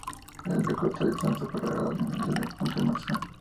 De lo contrario esta no superará la dimensión del apunte personal.